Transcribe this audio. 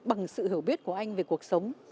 bằng sự hiểu biết của anh về cuộc sống